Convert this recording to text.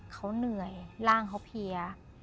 เขาเหนื่อยร่างเขาเพีย